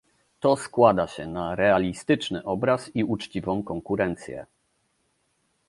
To składa się na realistyczny obraz i uczciwą konkurencję